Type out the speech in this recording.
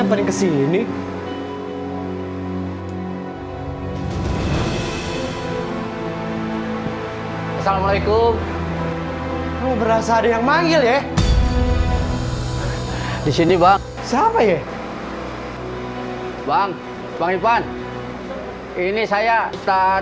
mori harus nyimpen rasa cinta ini sama bang bedu